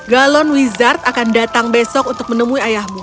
galon wizard akan datang besok untuk menemui ayahmu